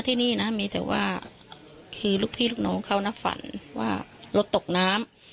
ที่นี่นะมีแต่ว่าคือลูกพี่ลูกน้องเขานะฝันว่ารถตกน้ำ